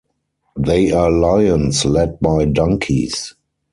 They are lions led by donkeys.